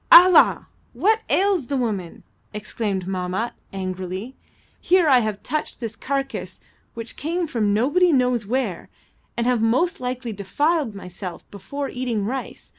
"Allah! What ails the woman!" exclaimed Mahmat, angrily. "Here, I have touched this carcass which came from nobody knows where, and have most likely defiled myself before eating rice.